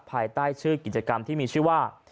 ภายใต้ชื่อกิจกรรมที่มีชื่อว่า